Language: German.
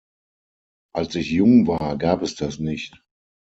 Als ich jung war, gab es das nicht.